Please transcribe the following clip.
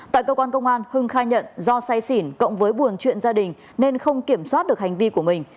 tại cơ quan công an hưng khai nhận do say xỉn cộng với buồn chuyện gia đình nên không kiểm soát được hành vi của mình